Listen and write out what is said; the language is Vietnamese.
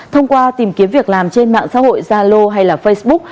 thông qua tìm kiếm việc làm trên mạng xã hội gia lô hay là facebook